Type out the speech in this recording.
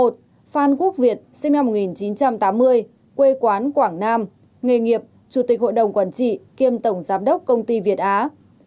một phan quốc việt sinh năm một nghìn chín trăm tám mươi quê quán quảng nam nghề nghiệp chủ tịch hội đồng quản trị kiêm tổng giám đốc công ty việt á